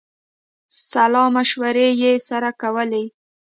سلامشورې یې سره کولې.